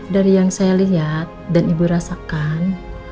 dari yang saya lihat dan ibu rasakan